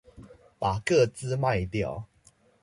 把個資賣掉